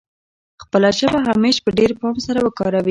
خپله ژبه همېش په ډېر پام سره وکاروي.